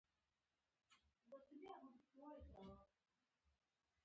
د دیني ارزښتونو سره په ټکر کې دي.